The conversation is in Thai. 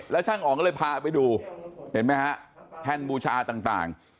แล้วช่างอ๋องก็เลยพาไปดูเห็นไหมฮะแท่นบูชาต่าง